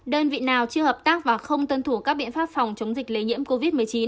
đơn vị nào chưa hợp tác và không tuân thủ các biện pháp phòng chống dịch lây nhiễm covid một mươi chín